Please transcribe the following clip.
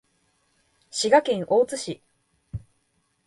滋賀県大津市